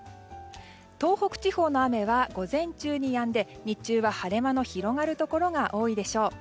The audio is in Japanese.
東北地方の雨は午前中にやんで日中は晴れ間の広がるところが多いでしょう。